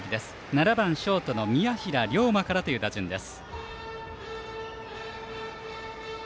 ７番ショートの宮平良磨からという打順です。